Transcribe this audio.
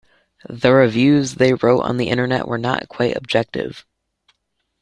The reviews they wrote on the Internet were not quite objective.